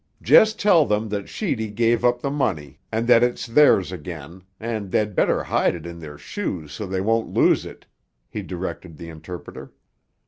"Just tell them that Sheedy gave up the money, and that it's theirs again; and they'd better hide it in their shoes so they won't lose it," he directed the interpreter.